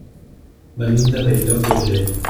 Venim de Bell-lloc d'Urgell.